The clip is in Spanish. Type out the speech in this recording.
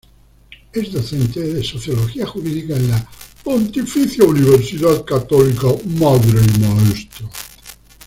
Es docente de Sociología Jurídica en la Pontificia Universidad Católica Madre y Maestra.